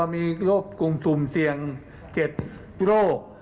มีโรคกรุงสุ่มเสี่ยง๗กรัม